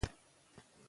پښتو کلتوري غرور ساتي.